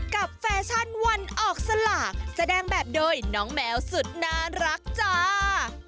แฟชั่นวันออกสลากแสดงแบบโดยน้องแมวสุดน่ารักจ้า